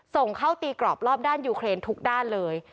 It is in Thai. ส่งเข้าตีกรอบรอบด้านยูเครนทุกด้านเลย